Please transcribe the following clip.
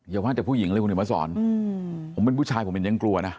อย่าว่าจะผู้หญิงเลยคุณนี่มาสอนผมเป็นผู้ชายผมยังกลัวนะ